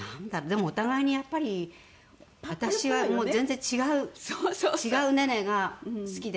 でもお互いにやっぱり私はもう全然違う違うネネが好きですから。